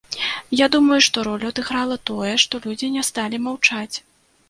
Я думаю, што ролю адыграла тое, што людзі не сталі маўчаць.